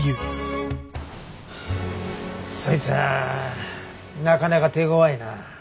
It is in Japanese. そいつぁなかなか手ごわいな。